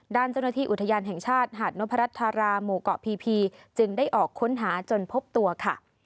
ด้านเจ้าหน้าที่อุทยานแห่งชาติหาดนพรัชธาราหมู่เกาะพีพีจึงได้ออกค้นหาจนพบตัวค่ะ